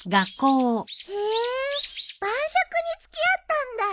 へえ晩酌に付き合ったんだ。